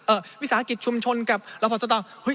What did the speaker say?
เอ่อวิสาหกิจชุมชนกับรัฐพรรดิสัตว์